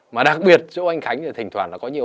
mà đặc biệt chỗ anh khánh thì thỉnh thoảng là có nhiều